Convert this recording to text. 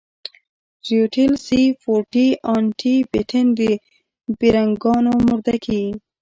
ټروټيل سي فور ټي ان ټي پټن د بېرنگانو مردکي.